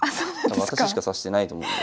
私しか指してないと思うので。